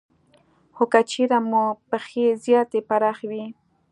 خو که چېرې مو پښې زیاتې پراخې وي